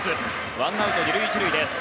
ワンアウト２塁１塁です。